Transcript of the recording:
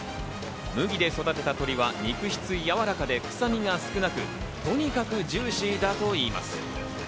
麦で育てた鶏は肉質やわらかで臭みが少なく、とにかくジューシーだといいます。